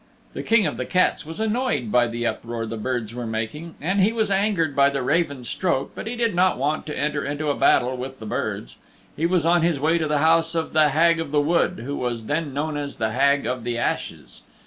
The King of the Cats was annoyed by the uproar the birds were making and he was angered by the raven's stroke, but he did not want to enter into a battle with the birds. He was on his way to the house of the Hag of the Wood who was then known as the Hag of the Ashes.